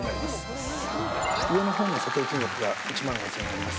上の方の査定金額が１万５，０００円になります。